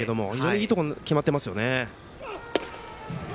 いいところ決まってますよね。